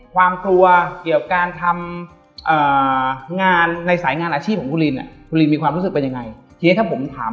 ความกลัวเกี่ยวการทำงานในสายงานอาชีพของแรงเธอผมถาม